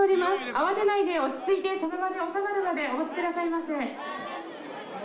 慌てないで落ち着いてその場で収まるまでお待ちくださいませ。